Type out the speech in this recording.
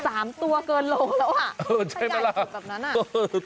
๓ตัวเกินโลละใหญ่กว่าดับนั้นน่ะ